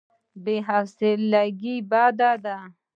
بې حوصلګي بد دی.